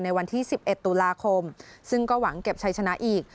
ในวันที่๑๑ตุลาคมซึ่งก็หวังเก็บชัยชนะอีก